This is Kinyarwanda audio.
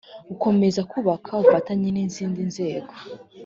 gukomeza kubaka ubufatanye n izindi nzego